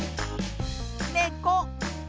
ねこ。